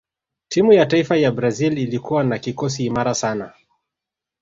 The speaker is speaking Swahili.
timu ya taifa ya brazil ilikuwa na kikosi imara sana